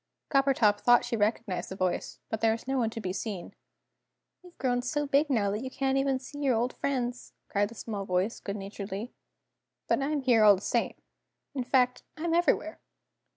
Coppertop thought she recognised the voice, but there was no one to be seen. "You've grown so big now that you can't even see your old friends," continued the small voice, good naturedly. "But I'm here all the same in fact, I'm everywhere.